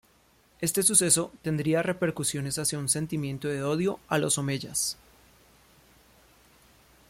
Este suceso tendría repercusiones hacia un sentimiento de odio a los omeyas.